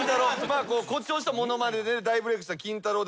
誇張した物まねで大ブレークしたキンタロー。